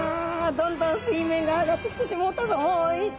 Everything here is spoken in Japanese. どんどん水面が上がってきてしもうたぞい。